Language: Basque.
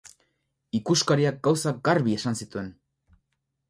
Ikuskariak gauzak garbi esan zituen.